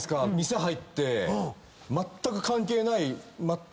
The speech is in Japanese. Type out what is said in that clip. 店入ってまったく関係ない。